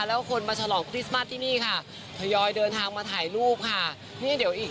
แล้วคนมาฉลองคริสต์มัสที่นี่ค่ะทยอยเดินทางมาถ่ายรูปค่ะนี่เดี๋ยวอีก